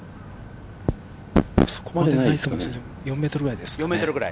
そこまでないですね、４ｍくらいですね。